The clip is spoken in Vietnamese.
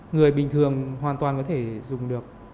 người bình thường hoàn toàn có thể dùng được